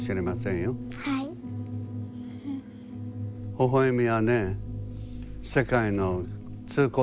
ほほえみはね世界の通行手形。